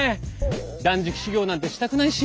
断食修行なんてしたくないし。